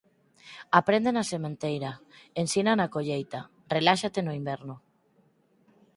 Aprende na sementeira, ensina na colleita, reláxate no inverno.